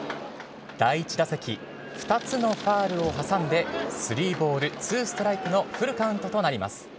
第１打席、２つのファウルを挟んでスリーボールツーストライクのフルカウントとなります。